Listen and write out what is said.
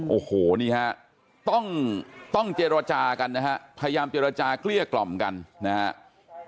โอ้โหนี่ฮะต้องเจรจากันนะฮะพยายามเจรจาเกลี้ยกล่อมกันนะครับ